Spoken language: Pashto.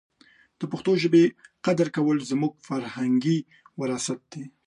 د پښتو ژبې قدر کول زموږ فرهنګي وراثت دی.